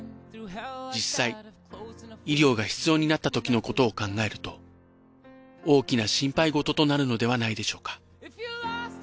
実際医療が必要になったときのことを考えると大きな心配事となるのではないでしょうか。